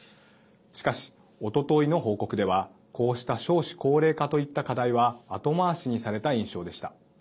しかし、おとといの報告ではこうした少子高齢化といった課題は後回しにされた印象でした。